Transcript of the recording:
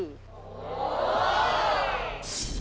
โห้ยยยย